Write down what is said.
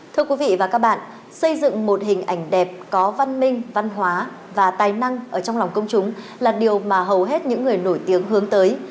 thưa quý vị và các bạn xây dựng một hình ảnh đẹp có văn minh văn hóa và tài năng ở trong lòng công chúng là điều mà hầu hết những người nổi tiếng hướng tới